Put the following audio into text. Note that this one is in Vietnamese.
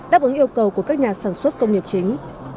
đáp ứng yêu cầu của các nhà sản xuất công nghiệp chính